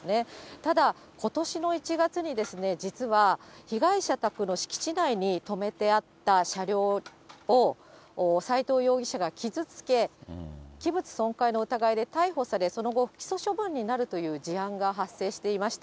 ただ、ことしの１月にですね、実は被害者宅の敷地内に止めてあった車両を斎藤容疑者が傷つけ、器物損壊の疑いで逮捕され、その後、不起訴処分になるという事案が発生していました。